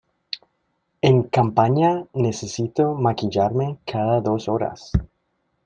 En campaña necesito maquillarme cada dos horas.